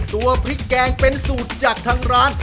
ตัวพริกแกงเป็นสูตรจากทางร้าน